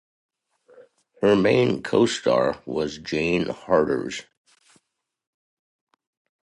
Her main co-star was Jane Harders.